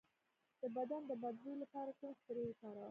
د بدن د بد بوی لپاره کوم سپری وکاروم؟